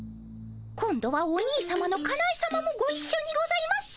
今度はお兄さまのかなえさまもごいっしょにございます。